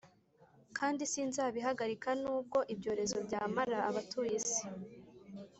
Kandi sinzabihagarika nubwo ibyo rezo byamara abatuyisi